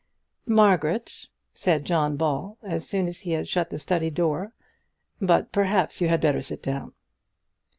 "Margaret," said John Ball, as soon as he had shut the study door; "but, perhaps, you had better sit down."